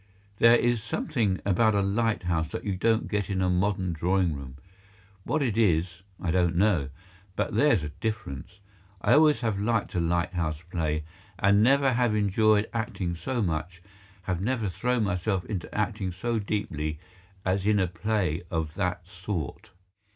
There is something about a lighthouse that you don't get in a modern drawing room. What it is, I don't know; but there's a difference. I always have liked a lighthouse play, and never have enjoyed acting so much, have never thrown myself into acting so deeply, as in a play of that sort.